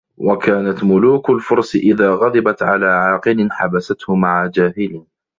وَكَانَتْ مُلُوكُ الْفُرْسِ إذَا غَضِبَتْ عَلَى عَاقِلٍ حَبَسَتْهُ مَعَ جَاهِلٍ